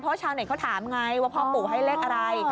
เพราะชาวเน็ตเขาถามไงว่าพ่อปู่ให้เลขอะไร